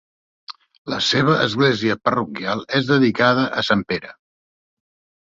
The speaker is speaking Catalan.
La seva església parroquial és dedicada a Sant Pere.